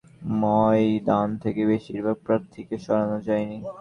বহিষ্কারের হুমকি দিয়েও নির্বাচনের ময়দান থেকে বেশির ভাগ প্রার্থীকে সরানো যায়নি।